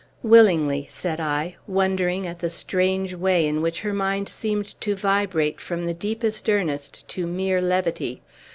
"Willingly," said I, wondering at the strange way in which her mind seemed to vibrate from the deepest earnest to mere levity.